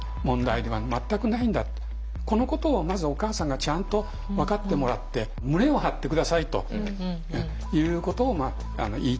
このことをまずお母さんがちゃんと分かってもらって胸を張って下さいということを言いたいなと思いますね。